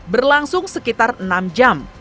berlangsung sekitar enam jam